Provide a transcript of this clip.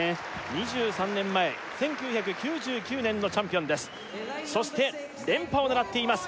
２３年前１９９９年のチャンピオンですそして連覇を狙っています